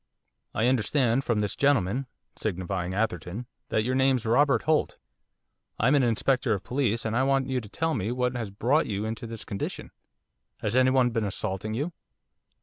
'I understand from this gentleman ' signifying Atherton 'that your name's Robert Holt. I'm an Inspector of police, and I want you to tell me what has brought you into this condition. Has anyone been assaulting you?